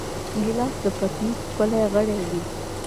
ګیلاس د پتنوس ښکلی غړی وي.